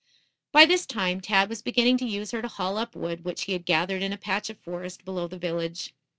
By this time, Tad was beginning to use her to haul up wood which he had gathered in a patch of forest below the village.